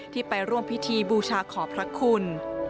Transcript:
ไปร่วมพิธีบูชาขอพระคุณ